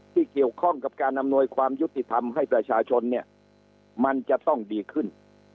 ที่เกี่ยวข้องกับการอำนวยความยุติธรรมให้ประชาชนเนี่ยมันจะต้องดีขึ้น